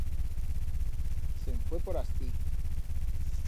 Se'n fue por astí.